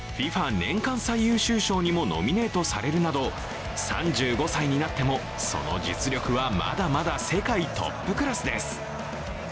年間最優秀賞にもノミネートされるなど３５歳になっても、その実力はまだまだ世界トップクラスです。